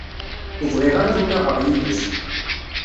Ur bɣiɣ ara ad nnaɣeɣ yid-s.